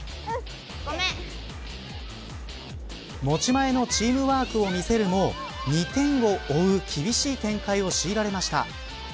持ち前のチームワークを見せるも２点を追う厳しい展開を強いられました。